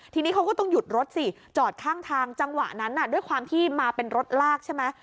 ทีนี้เขาก็ต้องหยุดรถสิจอดข้างทางจังหวะนั้นด้วยความที่มาเป็นรถลากใช่ไหม